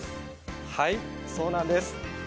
はいそうなんです。